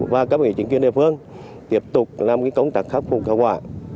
và các bộ chính quyền địa phương tiếp tục làm công tác khắc phục khả quả